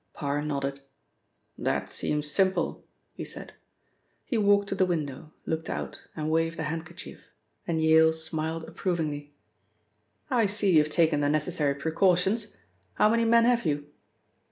Parr nodded. "That seems simple," he said. He walked to the window, looked out, and waved a handkerchief, and Yale smiled approvingly. "I see you have taken the necessary precautions. How many men have you?"